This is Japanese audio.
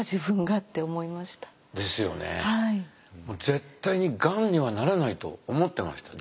絶対にがんにはならないと思ってました